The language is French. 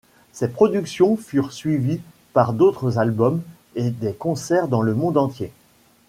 Ces productions furent suivies par d’autres albums et des concerts dans le monde entier.